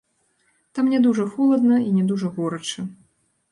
Там не дужа холадна і не дужа горача.